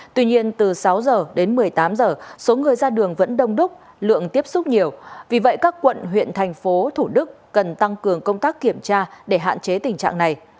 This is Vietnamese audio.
tuy nhiên từ sáu h đến một mươi tám h số người ra đường vẫn đông đúc lượng tiếp xúc nhiều vì vậy các quận huyện thành phố thủ đức cần tăng cường công tác kiểm tra để hạn chế tình trạng này